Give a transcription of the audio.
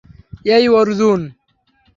এই, অর্জুন!